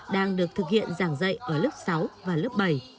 đang được thực hiện giảng dạy ở lớp sáu và lớp bảy